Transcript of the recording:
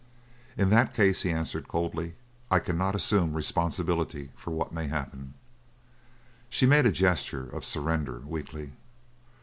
"In that case," he answered coldly, "I cannot assume responsibility for what may happen." She made a gesture of surrender, weakly.